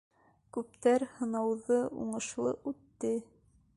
Күптәр һынауҙы уңышлы үтте.